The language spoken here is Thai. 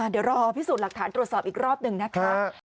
เดี๋ยวรอพิสูจน์หลักฐานตรวจสอบอีกรอบหนึ่งนะคะ